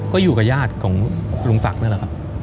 ก็อยู่กับญาติของลุงศักดิ์นั่นแหละครับ